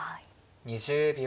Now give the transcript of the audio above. ２０秒。